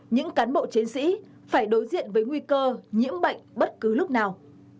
những cán bộ chiến sĩ phải đối diện với nguy cơ nhiễm bệnh bất cứ lúc nào